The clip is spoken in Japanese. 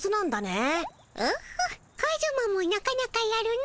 オホッカズマもなかなかやるの。